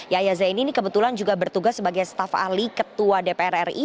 yahya zaini ini kebetulan juga bertugas sebagai staf ahli ketua dpr ri